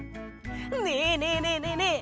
ねえねえねえねえねえ